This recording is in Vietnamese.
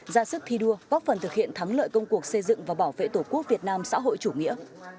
ra sức thi đua góp phần thực hiện thắng lợi công cuộc xây dựng và bảo vệ tổ quốc việt nam xã hội chủ nghĩa